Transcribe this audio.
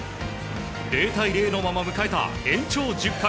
０対０のまま迎えた延長１０回。